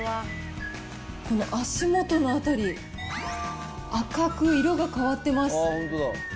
この足元の辺り、赤く色が変わってます。